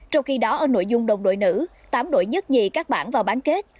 trong khi đó ở nội dung đồng đội nữ tám đội nhất nhị các bản vào bán kết